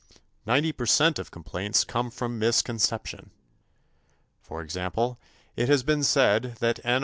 Ninety percent of complaints come from misconception. For example, it has been said that N.